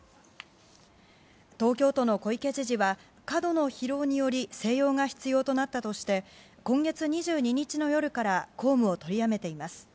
東京都の小池知事は過度の疲労により静養が必要となったとして今月２２日の夜から公務を取りやめています。